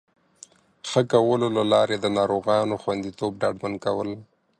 ښه کولو له لارې د ناروغانو خوندیتوب ډاډمن کول